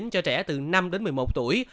cho trẻ từ năm đến một mươi một tuổi